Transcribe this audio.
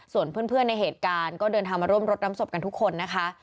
ส่วนเพื่อนในเหตุการณ์ก็เดินทางมาร่วมรดน้ำศพกันทุกคนนะคะ